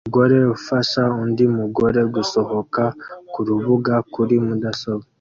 Umugore ufasha undi mugore gusohoka kurubuga kuri mudasobwa